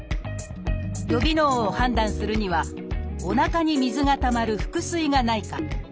予備能を判断するにはおなかに水がたまる腹水がないか。